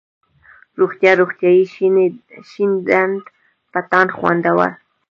روغتيا، روغتیایي ،شين ډنډ، پټان ، خوندور،